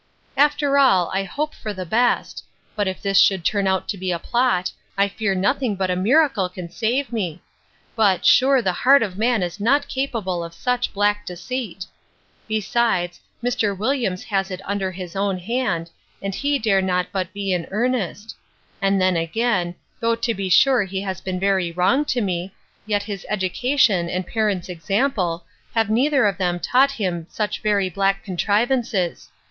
After all, I hope the best: but if this should turn out to be a plot, I fear nothing but a miracle can save me. But, sure the heart of man is not capable of such black deceit. Besides, Mr. Williams has it under his own hand, and he dare not but be in earnest: and then again, though to be sure he has been very wrong to me, yet his education, and parents' example, have neither of them taught him such very black contrivances.